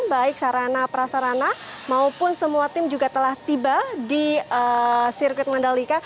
baik sarana prasarana maupun semua tim juga telah tiba di sirkuit mandalika